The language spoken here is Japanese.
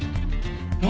何？